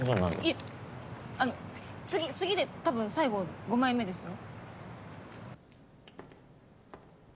いやあの次次で多分最後５枚目ですよ。